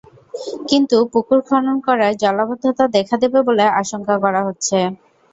কিন্তু পুকুর খনন করায় জলাবদ্ধতা দেখা দেবে বলে আশঙ্কা করা হচ্ছে।